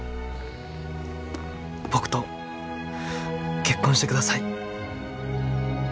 僕と結婚してください。